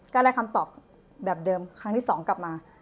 ได้คำตอบแบบเดิมครั้งที่๒กลับมา